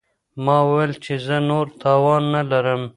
ما وویل چې زه نور توان نه لرم.